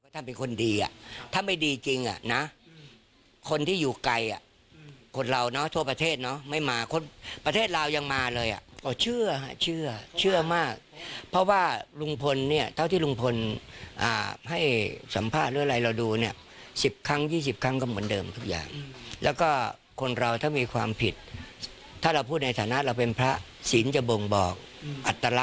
ถ้าเป็นคนดีอ่ะถ้าไม่ดีจริงอ่ะนะคนที่อยู่ไกลอ่ะคนเราเนาะทั่วประเทศเนอะไม่มาคนประเทศลาวยังมาเลยอ่ะก็เชื่อเชื่อมากเพราะว่าลุงพลเนี่ยเท่าที่ลุงพลให้สัมภาษณ์หรืออะไรเราดูเนี่ย๑๐ครั้ง๒๐ครั้งก็เหมือนเดิมทุกอย่างแล้วก็คนเราถ้ามีความผิดถ้าเราพูดในฐานะเราเป็นพระศิลป์จะบ่งบอกอัตล